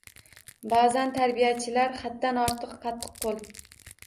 Ba’zan tarbiyachilar haddan ortiq qattiqqo‘l.